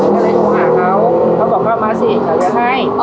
ก็เลยต้องหาเขาเขาบอกว่ามาสิจะเลี้ยงให้